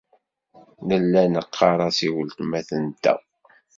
Nella neɣɣar-as i weltma-tenteɣ.